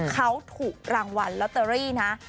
เขาถูกรางวัลลอตเตอรี่นะ